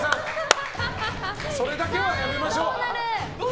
それだけはやめましょう。